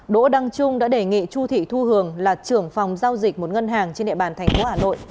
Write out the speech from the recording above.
đỗ đăng trung đã đề nghị chu thị thu hường là trưởng phòng giao dịch một ngân hàng trên địa bàn thành phố hà nội